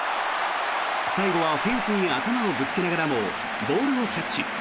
最後はフェンスに頭をぶつけながらもボールをキャッチ。